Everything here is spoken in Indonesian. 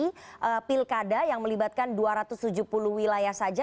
dpr yang melibatkan dua ratus tujuh puluh wilayah saja